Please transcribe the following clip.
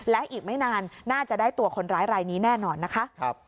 และอีกไม่นานน่าจะได้ตัวคนร้ายรายนี้แน่นอนนะคะ